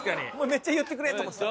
めっちゃ「言ってくれ」と思ってた。